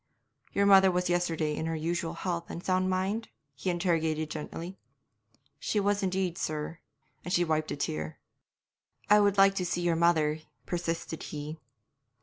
'Your mother was yesterday in her usual health and sound mind?' he interrogated gently. 'She was indeed, sir,' and she wiped a tear. 'I would like to see your mother,' persisted he.